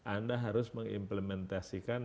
anda harus mengimplementasikan